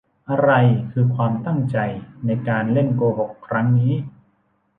อะไรคือความตั้งใจในการเล่นโกหกครั้งนี้ ?